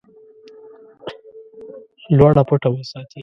لوړه پټه وساتي.